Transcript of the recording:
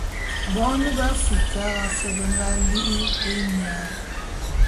Bone be Afrikara fe be nga li'i émiap.